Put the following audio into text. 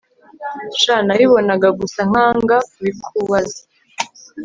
sha nabibonaga gusa nkanga kubikubaza